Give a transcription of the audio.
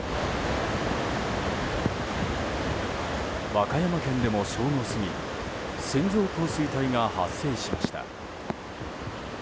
和歌山県でも正午過ぎ線状降水帯が発生しました。